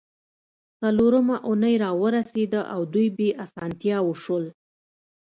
څلورمه اونۍ راورسیده او دوی بې اسانتیاوو شول